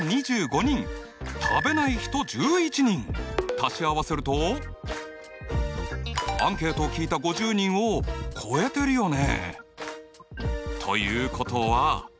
足し合わせるとアンケートを聞いた５０人を超えてるよね。